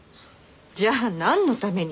じゃあなんのために？